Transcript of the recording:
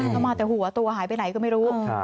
ก็มาแต่หัวตัวหายไปไหนก็ไม่รู้